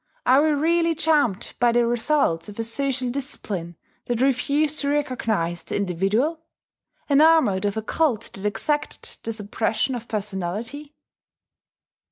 Are we really charmed by the results of a social discipline that refused to recognize the individual? enamoured of a cult that exacted the suppression of personality?